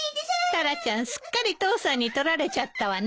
タラちゃんすっかり父さんに取られちゃったわね。